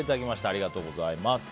ありがとうございます。